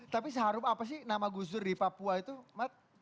tapi seharum apa sih nama gus dur di papua itu mat